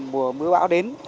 mùa mưa bão đến